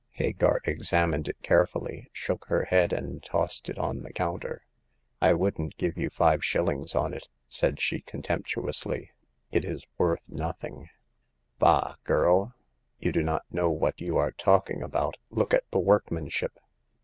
Hagar examined it carefully, shook her head, and tossed it on the counter. I wouldn't give you five shillings on it," said she, contemptuously ;it is worth \vot\N\\\%;!' / 132 Hagar of the Pawn Shop. Bah, girl ! You do not know what you are talking about. Look at the workmanship."